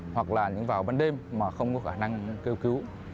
hoặc là những vào ban đêm mà không có khả năng kêu cứu